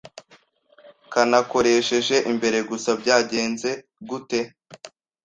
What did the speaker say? Kanakoresheje imbere gusa byagenze gute